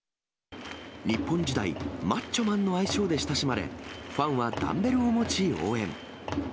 日本時代、マッチョマンの愛称で親しまれ、ファンはダンベルを持ち応援。